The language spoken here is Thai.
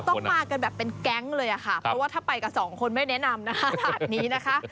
ต้องป่ากันแบบเป็นแก๊งค์เลยครับเพราะว่าถ้าไปกับ๒คนไม่แนะนำนะค่ะ